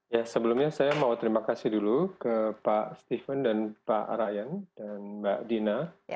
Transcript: ya sebelumnya saya mau terima kasih dulu ke pak steven dan pak ryan dan mbak dina